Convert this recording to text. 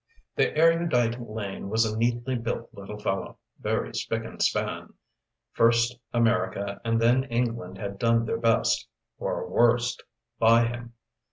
The erudite Lane was a neatly built little fellow, very spick and span. First America and then England had done their best or worst by him.